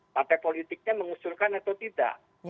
partai politiknya mengusulkan atau tidak